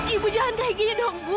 ibu jangan kayak gini dong bu